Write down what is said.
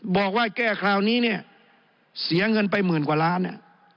บอกว่าแก้คราวนี้เนี่ยเสียเงินไปหมื่นกว่าล้านเนี่ย